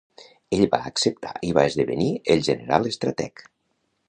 Ell va acceptar i va esdevenir el general estrateg.